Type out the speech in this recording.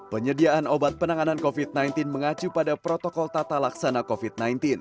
penyediaan obat penanganan covid sembilan belas mengacu pada protokol tata laksana covid sembilan belas